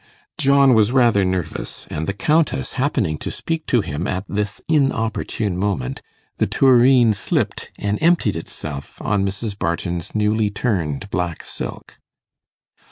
John was rather nervous; and the Countess happening to speak to him at this inopportune moment, the tureen slipped and emptied itself on Mrs. Barton's newly turned black silk.